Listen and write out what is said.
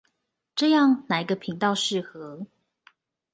這樣哪一個頻道適合